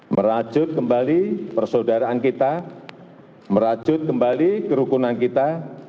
merajut kembali persaudaraan kita merajut kembali kerukunan kita